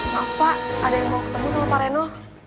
ma pak ada yang mau ketemu sama pak reno